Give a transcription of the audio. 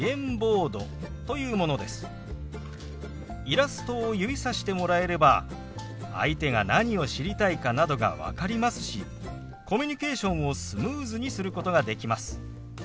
イラストを指さしてもらえれば相手が何を知りたいかなどが分かりますしコミュニケーションをスムーズにすることができます。